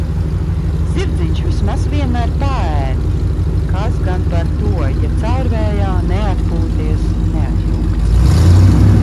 Zirdziņš vismaz vienmēr paēdis kas gan par to, ja caurvējā, neatpūties, neatjūgts.